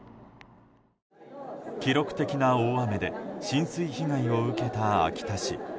記録的な大雨で浸水被害を受けた秋田市。